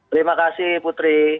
terima kasih putri